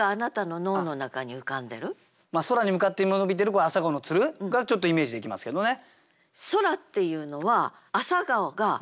空に向かって伸びている「朝顔」のつるがちょっとイメージできますけどね。